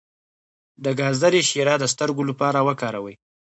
د ګازرې شیره د سترګو لپاره وکاروئ